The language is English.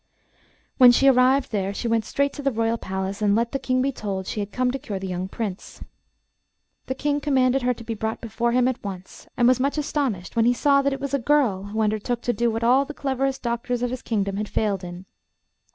When she arrived there she went straight to the Royal palace, and let the King be told she had come to cure the young Prince. The King commanded her to be brought before him at once, and was much astonished when he saw that it was a girl who undertook to do what all the cleverest doctors of his kingdom had failed in.